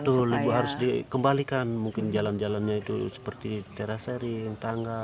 betul ibu harus dikembalikan mungkin jalan jalannya itu seperti tera sharing tangga